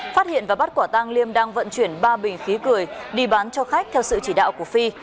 phát hiện và bắt quả tang liêm đang vận chuyển ba bình khí cười đi bán cho khách theo sự chỉ đạo của phi